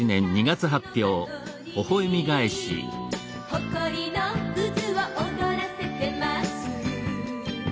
「ほこりの渦を踊らせてます」